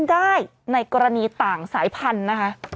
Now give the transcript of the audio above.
ได้ในกรณีต่างสายพันธุ์นะคะ